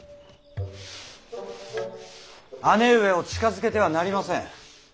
姉上を近づけてはなりません。